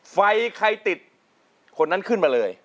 ไฟใครติดคนนั้นขึ้นมาเลย